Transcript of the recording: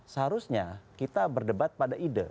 seharusnya kita berdebat pada ide